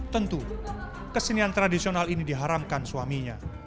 tentu kesenian tradisional ini diharamkan suaminya